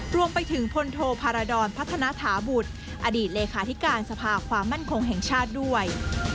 รวมไปถึงพลโทพารดรพัฒนาถาบุตรอดีตเลขาธิการสภาความมั่นคงแห่งชาติด้วย